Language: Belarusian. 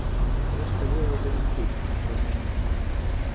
Але ж калі я яго люблю, цётачка.